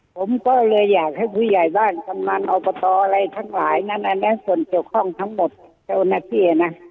ผมก็เลยอยากให้ผู้ใหญ่บ้านกำนันอบตอะไรทั้งหลายนั้นอันนั้นส่วนเกี่ยวข้องทั้งหมดเจ้าหน้าที่นะ